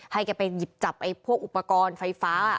แกไปหยิบจับพวกอุปกรณ์ไฟฟ้า